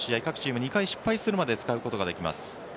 各チーム２回失敗するまで使うことができます。